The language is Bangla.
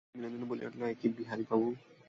ঘরে ঢুকিতেই বিনোদিনী বলিয়া উঠিল, এ কী বিহারীবাবু!